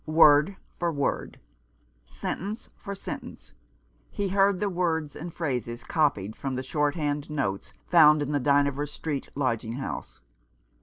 Word for word — sentence for sentence — he heard the words and phrases copied from the short hand notes found in the Dynevor Street lodging house.